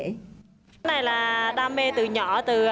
người đàn ông này đam mê từ nhỏ